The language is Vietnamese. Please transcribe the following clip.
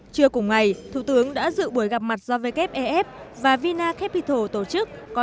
trưa cùng ngày thủ tướng đã dự buổi gặp mặt do wef và vina capital tổ chức